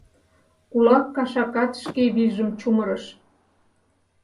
Кулак кашакат шке вийжым чумырыш.